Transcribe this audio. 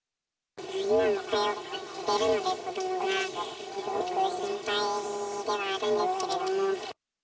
今も通ってるので、子どもが、すごい心配ではあるんですけれども。